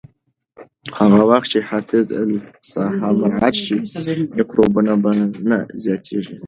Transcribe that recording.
هغه وخت چې حفظ الصحه مراعت شي، میکروبونه به نه زیاتېږي.